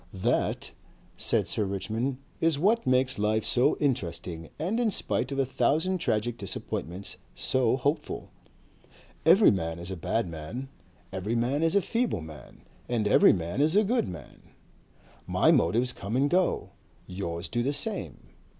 "That," said Sir Richmond, "is what makes life so interesting and, in spite of a thousand tragic disappointments, so hopeful. Every man is a bad man, every man is a feeble man and every man is a good man. My motives come and go. Yours do the same.